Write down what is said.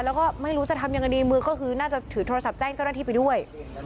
แล้วก็ไม่รู้จะทำยังไงดีมือก็คือน่าจะถือโทรศัพท์แจ้งเจ้าหน้าที่ไปด้วย